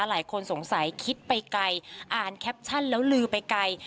หลายคนสงสัยคิดไปไกลอ่านแคปชั่นแล้วลือไปไกล